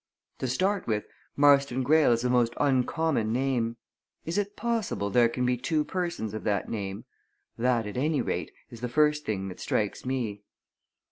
To start with, Marston Greyle is a most uncommon name. Is it possible there can be two persons of that name? That, at any rate, is the first thing that strikes me."